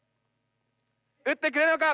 打ってくれるのか。